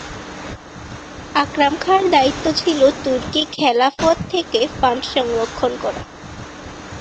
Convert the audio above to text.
আকরাম খাঁর দায়িত্ব ছিল তুর্কি খেলাফত থেকে ফান্ড সংগ্রহ করা।